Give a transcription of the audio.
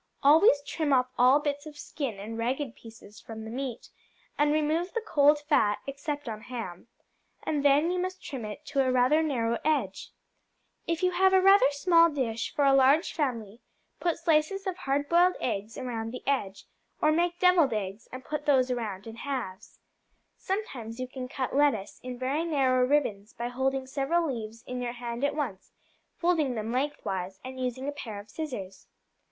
Always trim off all bits of skin and ragged pieces from the meat, and remove the cold fat, except on ham, and then you must trim it to a rather narrow edge. If you have a rather small dish for a large family, put slices of hard boiled eggs around the edge, or make devilled eggs, and put those around in halves. Sometimes you can cut lettuce in very narrow ribbons by holding several leaves in your hand at once, folding them lengthwise, and using a pair of scissors.